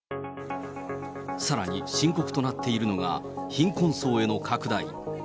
さらに深刻となっているのが、貧困層への拡大。